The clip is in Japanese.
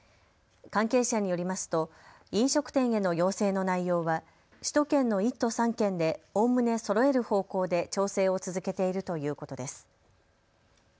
関係者によりますと飲食店への要請の内容は首都圏の１都３県でおおむねそろえる方向で調整を続けているということです。